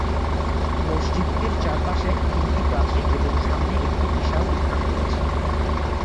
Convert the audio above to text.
মসজিদটির চারপাশে তিনটি প্রাচীর এবং সামনে একটি বিশাল উঠান রয়েছে।